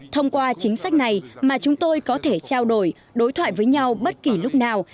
thông qua chính sách này mà chúng tôi có thể trao đổi đối thoại với nhau bất kỳ lúc nào